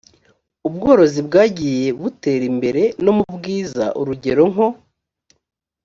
ubworozi bwagiye butera imbere no mu bwiza urugero nko